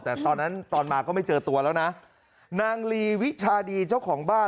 แต่ตอนนั้นตอนมาก็ไม่เจอตัวแล้วนะนางลีวิชาดีเจ้าของบ้าน